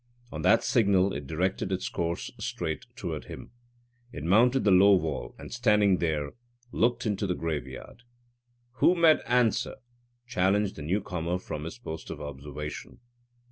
On that signal it directed its course straight toward him. It mounted the low wall, and, standing there, looked into the graveyard. "Who med answer?" challenged the new comer from his post of observation.